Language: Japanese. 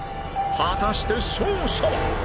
果たして勝者は？